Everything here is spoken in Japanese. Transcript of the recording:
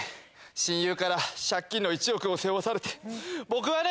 親友から借金の１億を背負わされて僕はね